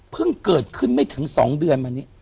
เกิดขึ้นไม่ถึง๒เดือนมานี้